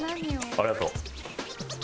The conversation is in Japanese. ありがとう。